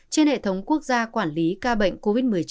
trên hệ thống quốc gia quản lý ca bệnh covid một mươi chín